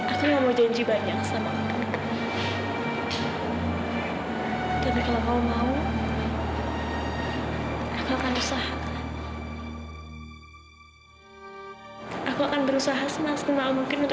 aku belum bisa menemukan di mana mira berada